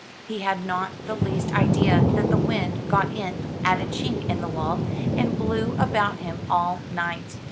He had not the least idea that the wind got in at a chink in the wall, and blew about him all night.